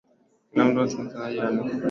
hayo ni kwa mashindano ya hii leo